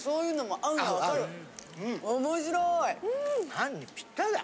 パンにぴったりだ。